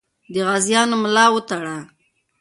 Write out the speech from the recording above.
د غازیانو ملا وتړه.